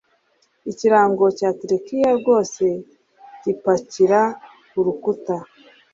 Ikirango cya tequila rwose gipakira urukuta.